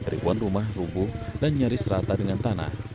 ribuan rumah rubuh dan nyaris rata dengan tanah